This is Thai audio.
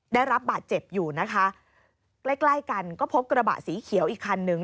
ได้รับบาดเจ็บอยู่นะคะใกล้ใกล้กันก็พบกระบะสีเขียวอีกคันนึง